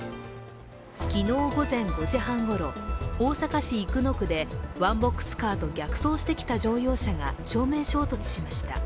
昨日午前５時半ごろ、大阪市生野区でワンボックスカーと逆走した乗用車が正面衝突しました。